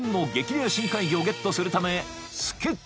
レア深海魚をゲットするため］